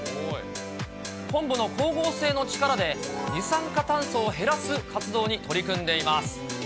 昆布の光合成の力で、二酸化炭素を減らす活動に取り組んでいます。